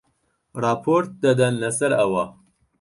ڕاپۆرت دەدەن لەسەر ئەوە